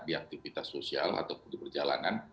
di aktivitas sosial ataupun di perjalanan